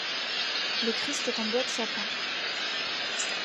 Le Christ est en bois de sapin.